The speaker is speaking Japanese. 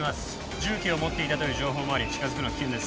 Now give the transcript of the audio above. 銃器を持っていたという情報もあり近づくのは危険です